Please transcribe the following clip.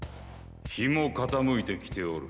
日も傾いてきておる。